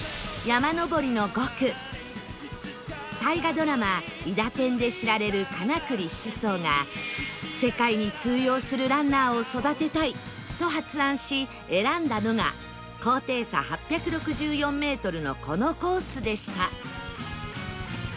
大河ドラマ『いだてん』で知られる金栗四三が世界に通用するランナーを育てたいと発案し選んだのが高低差８６４メートルのこのコースでした